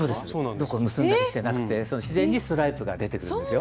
どこも結んだりしてなくて自然にストライプが出てるんですよ。